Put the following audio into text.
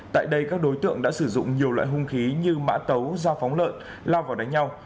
tại đây các đối tượng đã sử dụng nhiều loại hung khí như mã tấu dao phóng lợn lao vào đánh nhau